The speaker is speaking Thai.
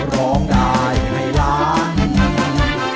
ร้องได้ให้ล้าน